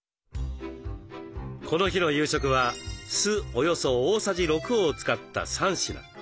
この日の夕食は酢およそ大さじ６を使った３品。